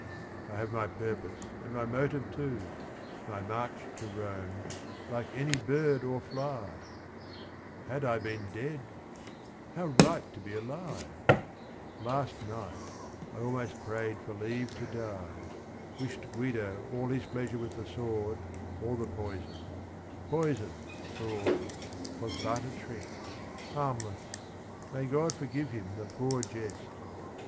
. I have my purpose and my motive too, My march to Rome, like any bird or fly 1 Had I been dead 1 How right to be alive 1 Last night I almost prayed for leave to die, Wished Guido all his pleasure with the sword Or the poison, — poison, sword, was but a trick, Harmless, may God forgive him the poor jest